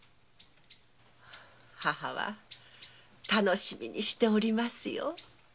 母は楽しみにしておりますよ。